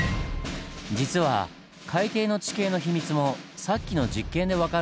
実は海底の地形の秘密もさっきの実験で分かるんです。